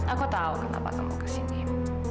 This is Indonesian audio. aku tahu kenapa kamu kesini